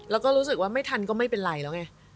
แล้วก็รู้สึกว่าไม่ทันก็ไม่เป็นไรแล้วไง